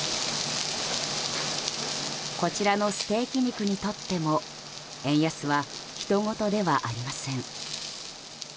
こちらのステーキ肉にとっても円安はひとごとではありません。